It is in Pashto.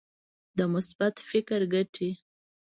د مثبت فکر ګټې.